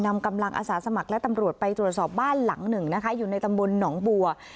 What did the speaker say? นำกำลังอาสาสมัครและตำรวจไปตรวจสอบบ้านหลังหนึ่งนะคะอยู่ในตำบลหนองบัว